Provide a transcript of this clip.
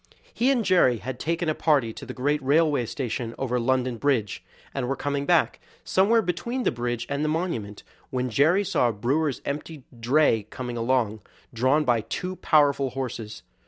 He and Jerry had taken a party to the great railway station over London Bridge, and were coming back, somewhere between the bridge and the monument, when Jerry saw a brewer's empty dray coming along, drawn by two powerful horses.